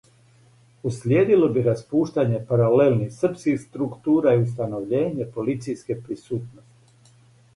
Услиједило би распуштање паралелних српских структура и установљење полицијске присутности.